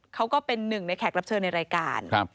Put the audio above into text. ก็เป็นหนึ่งในแขกรับเชิญในรายการ